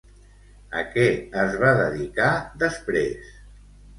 A què es va dedicar després?